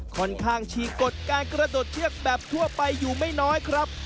ค่อนข้างฉีกกฎการกระโดดเชือกแบบทั่วไปอยู่ไม่น้อยครับ